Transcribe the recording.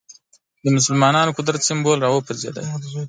د مسلمانانو قدرت سېمبول راوپرځېد